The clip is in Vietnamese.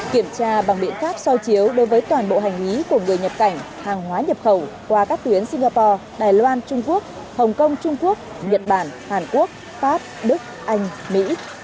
kiểm tra bằng biện pháp soi chiếu đối với toàn bộ hành lý của người nhập cảnh hàng hóa nhập khẩu qua các tuyến singapore đài loan trung quốc hồng kông trung quốc nhật bản hàn quốc pháp đức anh mỹ